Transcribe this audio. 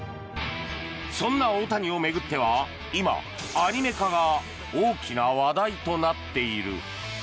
そんな大谷を巡っては今、アニメ化が大きな話題となっている。